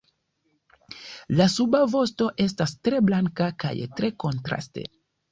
La suba vosto estas tre blanka kaj tre kontraste.